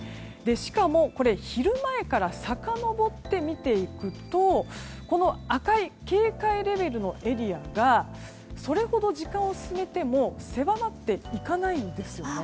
しかも、昼前からさかのぼって見ていくと赤い警戒レベルのエリアがそれほど時間を進めても狭まっていかないんですよね。